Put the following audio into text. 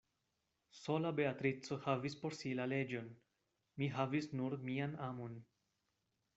Sola Beatrico havis por si la leĝon; mi havis nur mian amon.